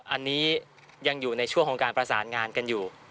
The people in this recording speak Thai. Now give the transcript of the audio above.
อันนี้ยังอยู่ในช่วงของการประสานงานกันอยู่